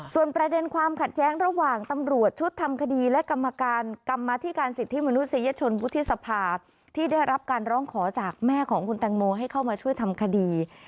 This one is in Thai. ส่วนประเด็นความขัดแย้งระหว่างตำรวจชุดทำคดีและกรรมการกรรมธิการสิทธิมนุษยชนวุฒิสภาที่ได้รับการร้องขอจากแม่ของคุณแตงโมให้เข้ามาช่วยทำคดี